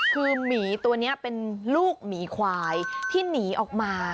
คือหมีตัวนี้เป็นลูกหมีควายที่หนีออกมา